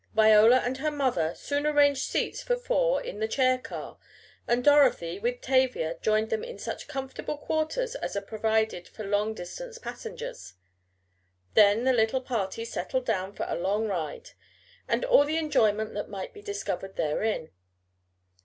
Viola and her mother soon arranged seats for four in the chair car, and Dorothy, with Tavia, joined them in such comfortable quarters as are provided for long distance passengers. Then the little party settled down for a long ride and all the enjoyment that might be discovered therein.